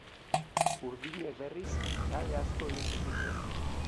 Urdinek, berriz, kale asko egin zituzten.